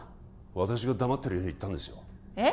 私が黙ってるように言ったんですよえっ！？